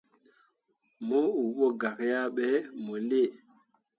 Mo uu ɓo gak yah ɓe mo lii.